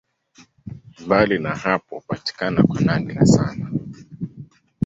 Mbali na hapo hupatikana kwa nadra sana.